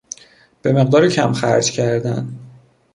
به مقدار کم خرج کردن